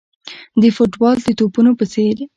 د فوټبال د توپونو په څېر.